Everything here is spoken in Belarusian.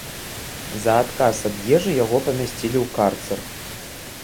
За адказ ад ежы яго памясцілі ў карцэр.